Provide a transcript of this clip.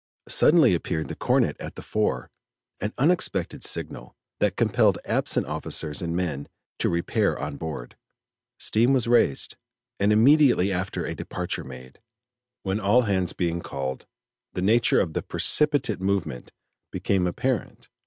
Suddenly appeared the cornet at the fore an unexpected signal, that compelled absent officers and men to repair on board. Steam was raised, and immediately after a departure made, when all hands being called, the nature of the precipitate movement became apparent.